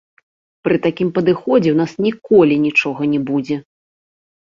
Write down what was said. Пры такім падыходзе ў нас ніколі нічога не будзе!